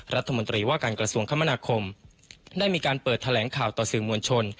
รัฐมนตรีว่าการกระทรวงคมนาคมได้มีการเปิดแถลงข่าวต่อสื่อมวลชน